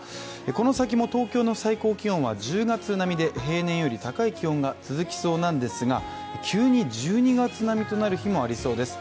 この先も東京の最高気温は１０月並みで平年より高い気温が続きそうなんですが急に１２月並みとなる日もありそうです。